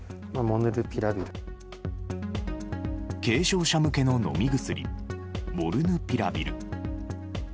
軽症者向けの飲み薬モルヌピラビル。